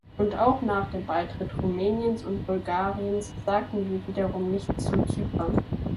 Und auch nach dem Beitritt Rumäniens und Bulgariens sagten wir wiederum nichts zu Zypern.